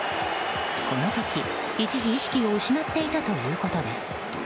この時、一時意識を失っていたということです。